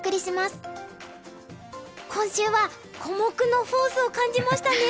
今週は小目のフォースを感じましたね。